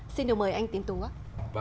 xin đồng mời anh tiến tùng